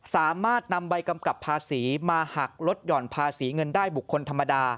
สามารถนำใบกำกับภาษีมาหักลดหย่อนภาษีเงินได้บุคคลธรรมดา